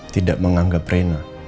tidak menganggap rena